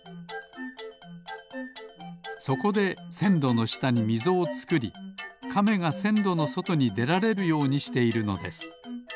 そこでせんろのしたにみぞをつくりカメがせんろのそとにでられるようにしているのです。